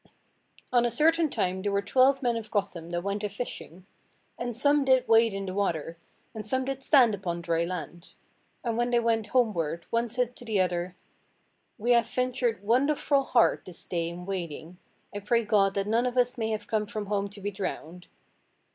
On a certain time there were twelve men of Gotham that went a–fishing; and some did wade in the water, and some did stand upon dry land. And when they went homeward, one said to the other— "We have ventured wonderful hard this day in wading, I pray God that none of us may have come from home to be drowned."